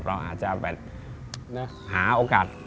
เราอาจจะแบบหาโอกาส